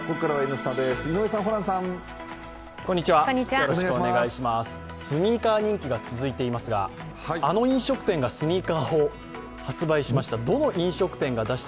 スニーカー人気が続いていますが、あの飲食店がスニーカーを発売しました。